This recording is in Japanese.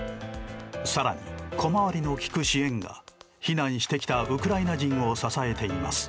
更に、小回りの利く支援が避難してきたウクライナ人を支えています。